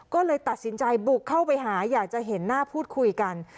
ก็เลยตัดสินใจบุกเข้าไปหาอยากจะเห็นหน้าพูดคุยกัน